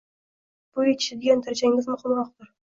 Bu yetishadigan darajangiz muhimroqdir